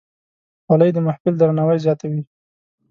خولۍ د محفل درناوی زیاتوي.